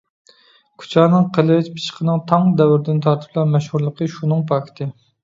كۇچانىڭ قىلىچ، پىچىقىنىڭ تاڭ دەۋرىدىن تارتىپلا مەشھۇرلۇقى شۇنىڭ پاكىتى.